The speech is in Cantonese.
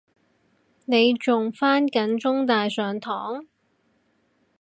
你仲返緊中大上堂？